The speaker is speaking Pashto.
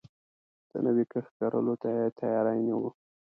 د نوی کښت کرلو ته يې تياری نيوه.